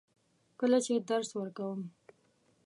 کله چې درس ورکوم.